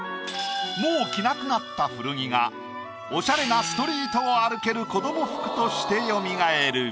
もう着なくなった古着がおしゃれなストリートを歩ける子ども服としてよみがえる。